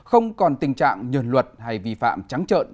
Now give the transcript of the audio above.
không còn tình trạng nhờn luật hay vi phạm trắng trợn